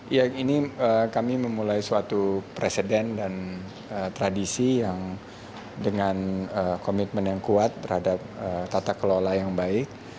ya ini kami memulai suatu presiden dan tradisi yang dengan komitmen yang kuat terhadap tata kelola yang baik